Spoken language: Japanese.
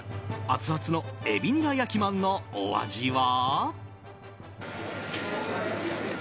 アツアツの海老ニラ焼まんのお味は。